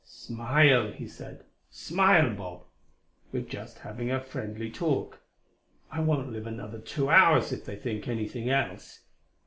"Smile!" he said. "Smile, Bob! we're just having a friendly talk. I won't live another two hours if they think anything else.